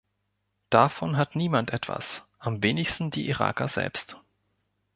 Davon hat niemand etwas, am wenigsten die Iraker selbst.